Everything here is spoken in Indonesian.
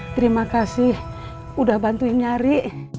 terima kasih udah bantuin nyari